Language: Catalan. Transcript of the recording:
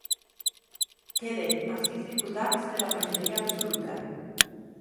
Queden a sis diputats de la majoria absoluta.